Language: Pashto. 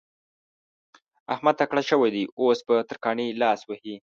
احمد تکړه شوی دی؛ اوس په ترکاڼي لاس وهي.